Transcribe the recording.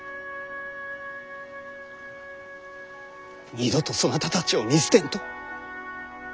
二度とそなたたちを見捨てんと。